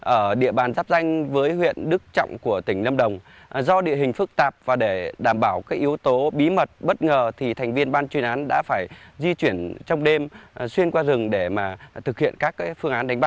ở địa bàn giáp danh với huyện đức trọng của tỉnh lâm đồng do địa hình phức tạp và để đảm bảo các yếu tố bí mật bất ngờ thì thành viên ban chuyên án đã phải di chuyển trong đêm xuyên qua rừng để thực hiện các phương án đánh bắt